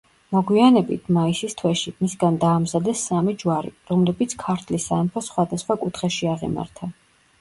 მოგვიანებით, მაისის თვეში, მისგან დაამზადეს სამი ჯვარი, რომლებიც ქართლის სამეფოს სხვადასხვა კუთხეში აღიმართა.